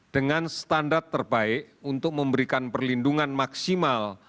dengan standar terbaik untuk memberikan perlindungan maksimal